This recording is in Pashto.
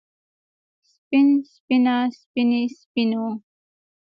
سپين سپينه سپينې سپينو